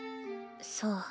そう。